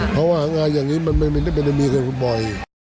เพราะว่าง่ายอย่างนี้มันไม่ได้มีเคยบ่อย